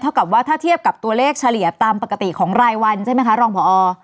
กับว่าถ้าเทียบกับตัวเลขเฉลี่ยตามปกติของรายวันใช่ไหมคะรองพอ